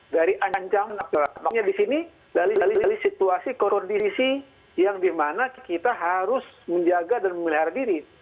dari ancaman makanya disini dari situasi korporasi yang dimana kita harus menjaga dan memelihara diri